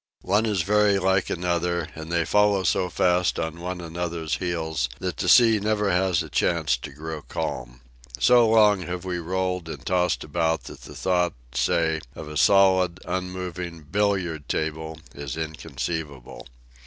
One is very like another, and they follow so fast on one another's heels that the sea never has a chance to grow calm. So long have we rolled and tossed about that the thought, say, of a solid, unmoving billiard table is inconceivable.